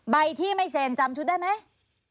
ใบที่ไม่เซ็นจำชุดได้ไหม